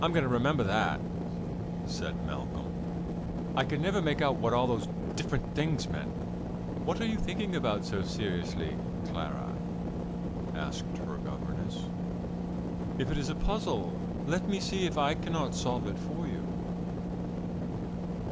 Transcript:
"I am going to remember that," said Malcolm; "I could never make out what all those different things meant." "What are you thinking about so seriously, Clara?" asked her governess. "If it is a puzzle, let me see if I cannot solve it for you."